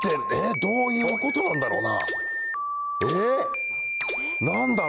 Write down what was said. どういうことなんだろうな。